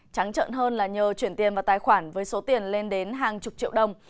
trắng trợn hơn là nhờ chuyển tiền vào tài khoản với số tiền lên đến hàng chục triệu đồng